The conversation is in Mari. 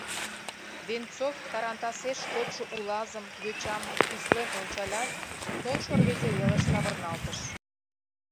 — Венцов тарантасеш кодшо улазым, йочам, тӱслен ончалят, толшо рвезе велыш савырналтыш.